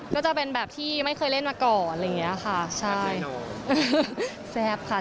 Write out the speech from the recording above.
ก็จะเป็นแบบที่ไม่เคยเล่นมาก่อนแบบเนี้ยค่ะแสบค่ะ